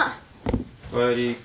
おかえり。